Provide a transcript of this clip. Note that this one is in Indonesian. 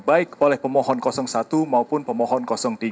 baik oleh pemohon satu maupun pemohon tiga